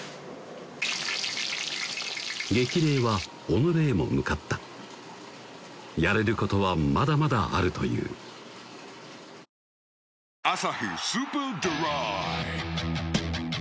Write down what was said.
激励は己へも向かったやれることはまだまだあるという「アサヒスーパードライ」